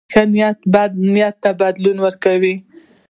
ښه نیت بد نیت ته بدلون ورکوي.